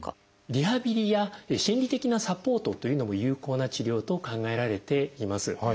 リハビリや心理的なサポートというのも有効な治療と考えられています。